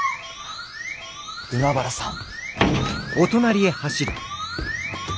海原さん！？